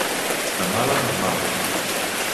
De males en males.